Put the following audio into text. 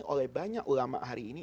oleh banyak ulama hari ini